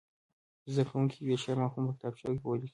زده کوونکي دې د شعر مفهوم په کتابچو کې ولیکي.